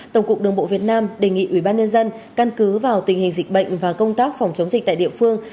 tổng cục đường bộ việt nam đề nghị ủy ban nhân dân căn cứ vào tình hình dịch bệnh và công tác phòng chống dịch tại địa phương